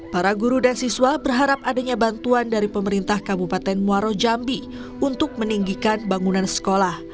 para guru dan siswa berharap adanya bantuan dari pemerintah kabupaten muaro jambi untuk meninggikan bangunan sekolah